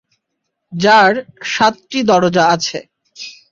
যার সাতটি দরজা আছে।